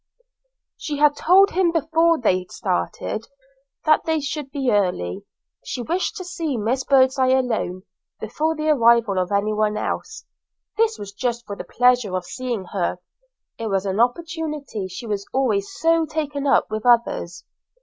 IV She had told him before they started that they should be early; she wished to see Miss Birdseye alone, before the arrival of any one else. This was just for the pleasure of seeing her it was an opportunity; she was always so taken up with others.